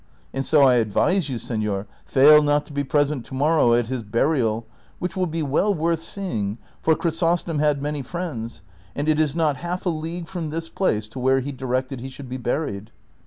And so I advise you, seilor, fail not to be present to morrow at his burial, which will be well worth seeing, for Chrysostom had many friends, and it is not half a league from this place to w^here he directed he shoidd be buried."